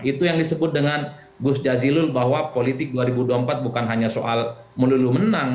itu yang disebut dengan gus jazilul bahwa politik dua ribu dua puluh empat bukan hanya soal melulu menang